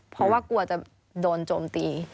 เพราะว่ากลัวจะโดนโจมตี